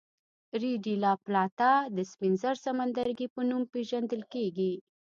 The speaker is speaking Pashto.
ریو ډي لا پلاتا د سپین زر سمندرګي په نوم پېژندل کېږي.